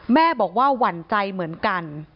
แม่บอกว่าหวั่นใจเหมือนกัน